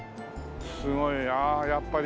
すごいなやっぱり。